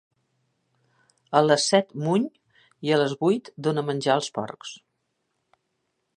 A les set muny i a les vuit dona menjar als porcs.